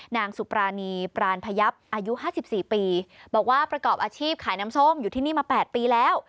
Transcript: นางสุปรานีปรานพยับอายุ๕๔ปีบอกว่าประกอบอาชีพขายน้ำส้มอยู่ที่นี่มา๘ปีแล้ว